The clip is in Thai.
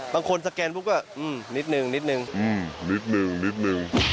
บางคนสแกนปุ๊บก็อื้มนิดหนึ่งนิดหนึ่งอื้มนิดหนึ่งนิดหนึ่ง